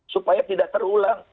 supaya tidak terulang